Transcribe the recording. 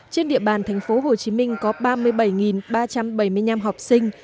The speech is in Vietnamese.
trên địa bàn tp hcm có ba mươi bảy ba trăm bảy mươi năm học sinh